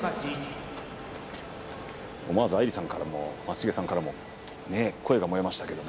思わずアイリさんからも松重さんからも声が漏れました。